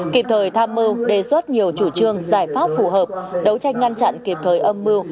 kịp thời tham mưu đề xuất nhiều chủ trương giải pháp phù hợp đấu tranh ngăn chặn kịp thời âm mưu